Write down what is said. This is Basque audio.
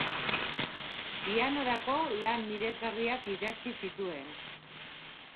Pianorako lan miresgarriak idatzi zituen.